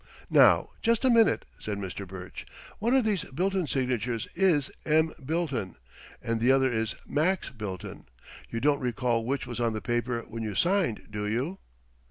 "Now, just a minute," said Mr. Burch. "One of these Bilton signatures is 'M. Bilton' and the other is 'Max Bilton.' You don't recall which was on the paper when you signed, do you?"